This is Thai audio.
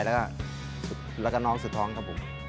แล้วก็น้องสุดท้องครับผม